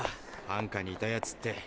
ハンカにいたやつって。